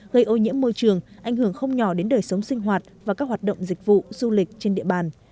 gây ô nhiễm môi trường ảnh hưởng không nhỏ đến đời sống sinh hoạt và các hoạt động dịch vụ du lịch trên địa bàn